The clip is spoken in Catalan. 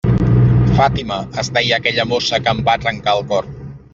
Fàtima, es deia aquella mossa que em va trencar el cor.